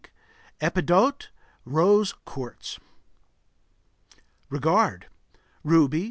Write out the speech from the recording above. Rubellite. Rose quartz. REGARD Ruby.